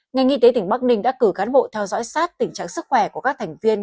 ngành y tế tỉnh bắc ninh đã cử cán bộ theo dõi sát tình trạng sức khỏe của các thành viên